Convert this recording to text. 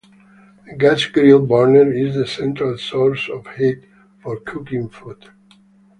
A gas grill burner is the central source of heat for cooking food.